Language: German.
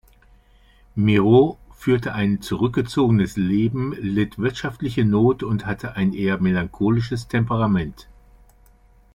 Miró führte ein zurückgezogenes Leben, litt wirtschaftliche Not und hatte ein eher melancholisches Temperament.